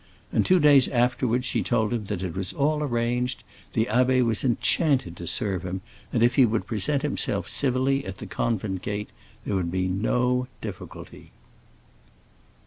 And two days afterwards she told him that it was all arranged; the abbé was enchanted to serve him, and if he would present himself civilly at the convent gate there would be no difficulty.